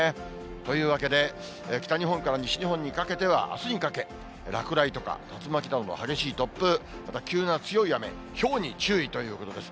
というわけで、北日本から西日本にかけてはあすにかけ、落雷とか、竜巻などの激しい突風、また急な強い雨、ひょうに注意ということです。